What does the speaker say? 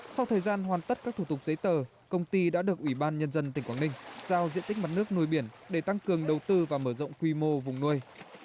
sau thời gian hoàn tất các thủ tục giấy tờ công ty đã được ủy ban nhân dân tỉnh quảng ninh giao diện tích mặt nước nuôi biển để tăng cường đầu tư và mở rộng quy mô vùng nuôi